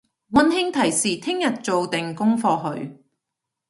溫馨提示聽日做定功課去！